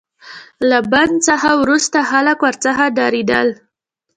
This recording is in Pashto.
له بند څخه وروسته خلک ورڅخه ډاریدل.